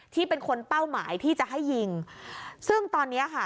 ที่เป็นคนเป้าหมายที่จะให้ยิงซึ่งตอนเนี้ยค่ะ